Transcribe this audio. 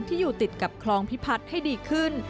ที่อยู่ติดกับคลองพิพัฒน์ให้ดีขึ้น